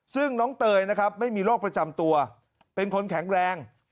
ซึ่งน้องเตยนะครับไม่มีโรคประจำตัวเป็นคนแข็งแรง